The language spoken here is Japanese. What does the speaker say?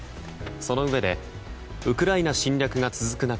そのうえでウクライナ侵略が続く中